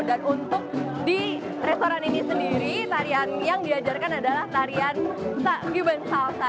dan untuk di restoran ini sendiri yang diajarkan adalah tarian cuban salsa